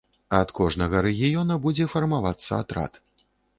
Ад кожнага рэгіёна будзе фармавацца атрад.